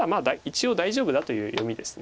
一応大丈夫だという読みです